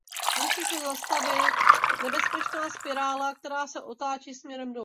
Musí se zastavit nebezpečná spirála, která se otáčí směrem dolů.